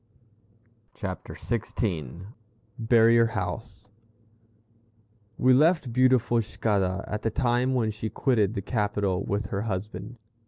CHAPTER XVI BARRIER HOUSE We left beautiful Cicada at the time when she quitted the capital with her husband.